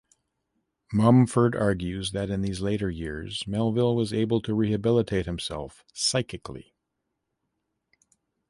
Mumford argues that in these later years Melville was able to rehabilitate himself psychically.